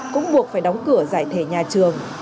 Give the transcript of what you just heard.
cũng buộc phải đóng cửa giải thể nhà trường